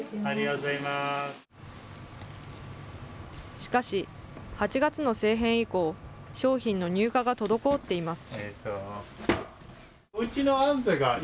しかし、８月の政変以降、商品の入荷が滞っています。